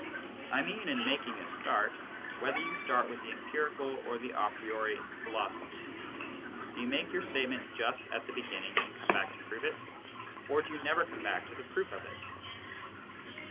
I mean in making a start, whether you start with the em pirical or the a priori philosophy, do you make your state ment just at the beginning and come back to prove it, or do you never come back to the proof of it?